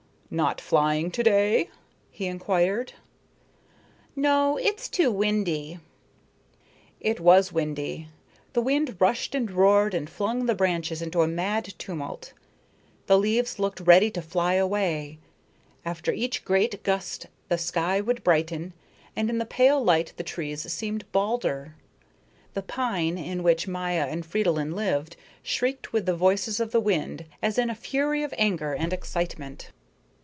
"Not flying to day?" he inquired. "No, it's too windy." It was windy. The wind rushed and roared and flung the branches into a mad tumult. The leaves looked ready to fly away. After each great gust the sky would brighten, and in the pale light the trees seemed balder. The pine in which Maya and Fridolin lived shrieked with the voices of the wind as in a fury of anger and excitement.